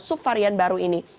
subvarian baru ini